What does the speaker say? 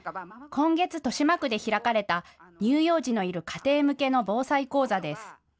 今月、豊島区で開かれた乳幼児のいる家庭向けの防災講座です。